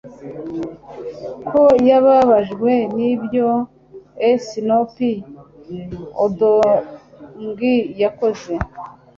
ko yababajwe nibyo Snoop uDoggi yakoze